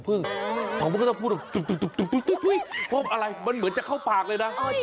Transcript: ผมก็ต้องพูดปดอะไรเหมือนจะเข้าปากเลยนะ